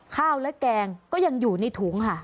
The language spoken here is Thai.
ข้าวและแกงก็ยังอยู่ในถุงค่ะ